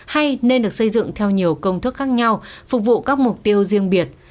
hay nên được xây dựng theo nhiều công thức khác nhau phục vụ các mục tiêu riêng biệt